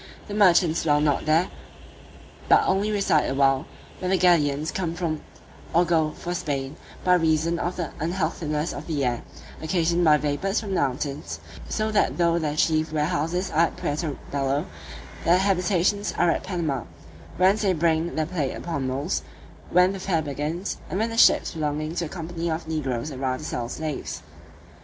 The merchants dwell not here, but only reside awhile, when the galleons come from or go for Spain, by reason of the unhealthiness of the air, occasioned by vapours from the mountains; so that though their chief warehouses are at Puerto Bello, their habitations are at Panama, whence they bring the plate upon mules, when the fair begins, and when the ships belonging to the company of negroes arrive to sell slaves.